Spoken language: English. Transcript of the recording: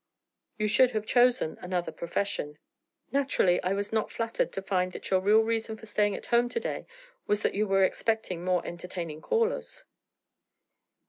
'You should have chosen another profession.' 'Naturally, I was not flattered to find that your real reason for staying at home to day, was that you were expecting more entertaining callers.'